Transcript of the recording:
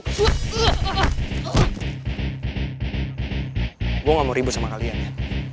gue gak mau ribut sama kalian ya